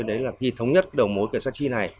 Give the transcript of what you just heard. đó là khi thống nhất đầu mối kiểm soát chi này